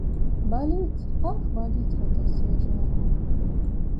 Баліць, ах, баліць гэтая свежая рана.